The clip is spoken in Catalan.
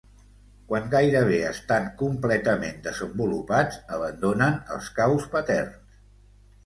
Quan gairebé estan completament desenvolupats abandonen els caus paterns.